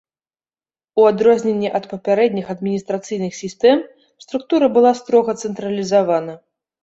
У адрозненне ад папярэдніх адміністрацыйных сістэм, структура была строга цэнтралізавана.